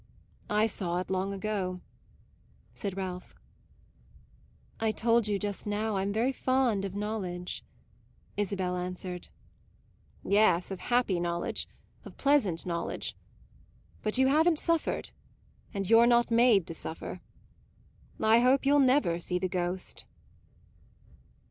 I saw it long ago," said Ralph. "I told you just now I'm very fond of knowledge," Isabel answered. "Yes, of happy knowledge of pleasant knowledge. But you haven't suffered, and you're not made to suffer. I hope you'll never see the ghost!"